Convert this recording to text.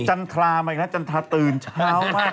จันทรามาอีกนะจันทราตื่นเช้ามา